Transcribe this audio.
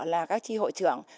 là các tri hội trưởng